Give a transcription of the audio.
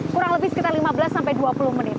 kurang lebih sekitar lima belas sampai dua puluh menit